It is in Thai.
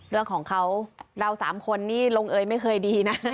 เรื่องของเขาเราสามคนนี่ลงเอยไม่เคยดีนะ